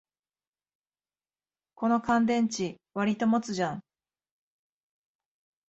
この乾電池、わりと持つじゃん